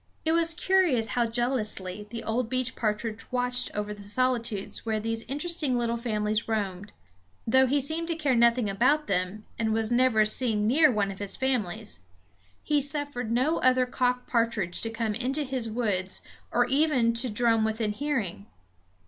It was curious how jealously the old beech partridge watched over the solitudes where these interesting little families roamed. Though he seemed to care nothing about them, and was never seen near one of his families, he suffered no other cock partridge to come into his woods, or even to drum within hearing.